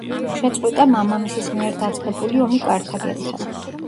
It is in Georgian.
შეწყვიტა მამამისის მიერ დაწყებული ომი კართაგენთან.